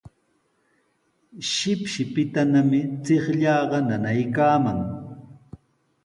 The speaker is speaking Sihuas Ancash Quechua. Shipshipitanami chiqllaaqa nanaykaaman.